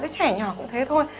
đứa trẻ nhỏ cũng thế thôi